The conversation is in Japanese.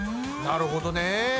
なるほどね。